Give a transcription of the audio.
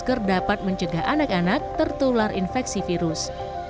agar dapat mencegah anak anak tertular infeksi virus